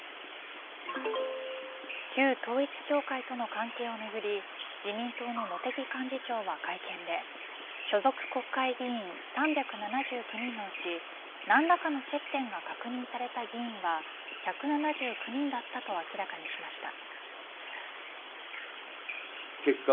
旧統一教会との関係をめぐり自民党の茂木幹事長は会見で所属国会議員３７９人のうち何らかの接点が確認された議員は１７９人だったと明らかにしました。